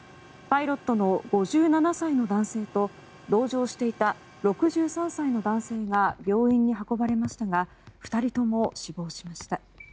パイロットの５７歳の男性と同乗していた６３歳の男性が病院に搬送されましたが２人とも死亡しました。